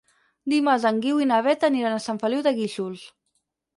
Dimarts en Guiu i na Beth aniran a Sant Feliu de Guíxols.